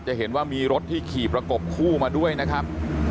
จะเห็นว่ามีรถที่ขี่ประกบคู่มาด้วยนะครับ